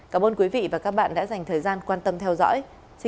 cảm ơn quý vị đã dành thời gian quan tâm theo dõi